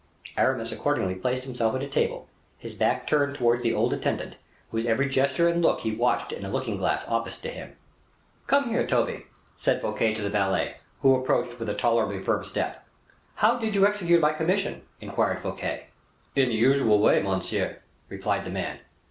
Aramis accordingly placed himself at a table, his back turned towards the old attendant, whose every gesture and look he watched in a looking glass opposite to him. "Come here, Toby," said Fouquet to the valet, who approached with a tolerably firm step. "How did you execute my commission?" inquired Fouquet. "In the usual way, monseigneur," replied the man.